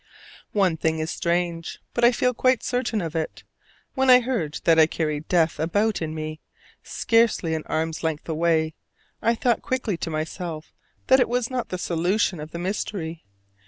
One thing is strange, but I feel quite certain of it: when I heard that I carried death about in me, scarcely an arm's length away, I thought quickly to myself that it was not the solution of the mystery.